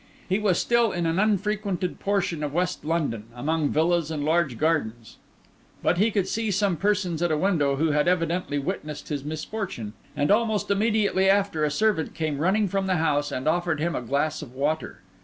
He was still in an unfrequented portion of West London, among villas and large gardens; but he could see some persons at a window who had evidently witnessed his misfortune; and almost immediately after a servant came running from the house and offered him a glass of water.